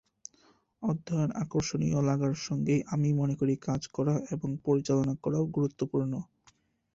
অধ্যয়ন আকর্ষণীয় লাগার সঙ্গেই, আমি মনে করি কাজ করা এবং পরিচালনা করাও গুরুত্বপূর্ণ।